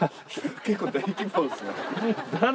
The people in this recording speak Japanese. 結構大規模ですね。